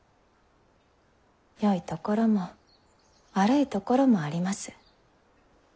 よいところも悪いところもあります。